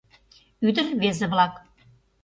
Ӱдыр-рвезе-влак